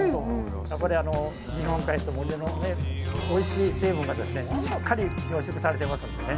やっぱり日本海と森のおいしい成分がしっかり凝縮されていますのでね。